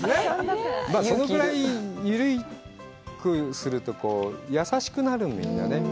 そのぐらい緩くすると優しくなるのよ、みんなね。